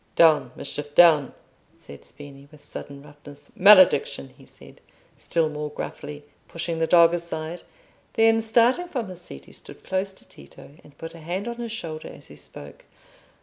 "Down, Mischief, down!" said Spini, with sudden roughness. "Malediction!" he added, still more gruffly, pushing the dog aside; then, starting from his seat, he stood close to Tito, and put a hand on his shoulder as he spoke.